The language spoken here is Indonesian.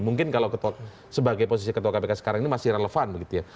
mungkin kalau sebagai posisi ketua kpk sekarang ini masih relevan begitu ya